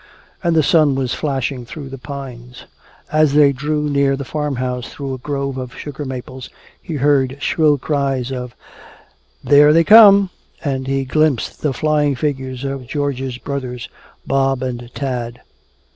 And the sun was flashing through the pines. As they drew near the farmhouse through a grove of sugar maples, he heard shrill cries of, "There they come!" And he glimpsed the flying figures of George's brothers, Bob and Tad.